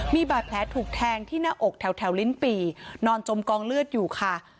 มีบาดแผลถูกแทงที่หน้าอกแถวลิ้นปี่นอนจมกองเลือดอยู่ค่ะ